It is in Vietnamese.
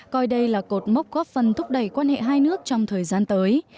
coi đây là cột mốc góp phần thúc đẩy quan hệ hai nước trong thời gian tới